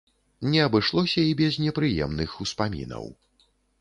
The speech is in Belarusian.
Не абышлося і без непрыемных успамінаў.